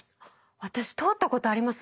私通ったことあります！